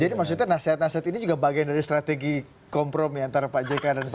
jadi maksudnya nasihat nasihat ini juga bagian dari strategi kompromis antara pak jk dan pak jokowi